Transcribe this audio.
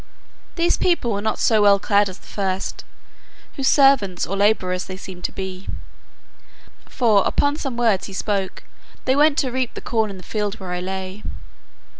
These people were not so well clad as the first, whose servants or labourers they seemed to be; for, upon some words he spoke, they went to reap the corn in the field where I lay.